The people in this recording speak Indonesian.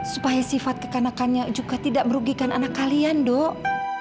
supaya sifat kekanakannya juga tidak merugikan anak kalian dok